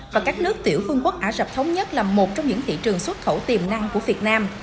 và các nước tiểu vương quốc ả rập thống nhất là một trong những thị trường xuất khẩu tiềm năng của việt nam